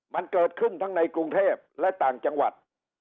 มันเกิดขึ้นทั้งในกรุงเทพและต่างจังหวัด